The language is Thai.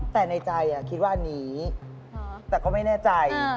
แต่ในใจคิดว่าอันนี้แต่ก็ไม่แน่ใจ